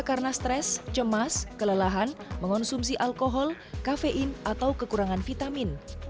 karena stres cemas kelelahan mengonsumsi alkohol kafein atau kekurangan vitamin